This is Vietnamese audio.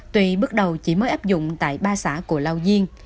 tuy bước đầu chỉ mới áp dụng tại ba xã của lao diên